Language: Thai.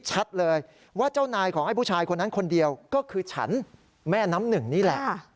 หน่ายของผู้ชายคนนั้นคนเดียวก็คือฉันแม่น้ำหนึ่งนี่แหละ